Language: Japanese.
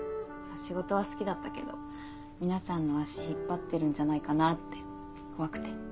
仕事は好きだったけど皆さんの足引っ張ってるんじゃないかなって怖くて。